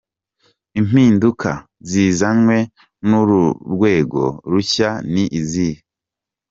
Impinduka zizanywe n’uru rwego rushya ni izihe?.